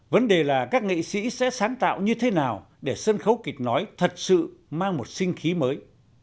vấn đề là các nghệ sĩ sẽ sáng tạo như thế nào để sân khấu kịch nói thật sự mang một sinh khí mới